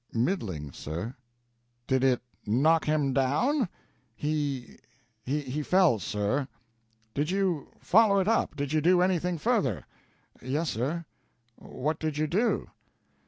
"Middling, sir." "Did it knock him down?" "He he fell, sir." "Did you follow it up? Did you do anything further?" "Yes, sir." "What did you do?"